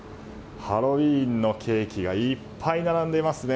ハロウィーンのケーキがいっぱい並んでいますね。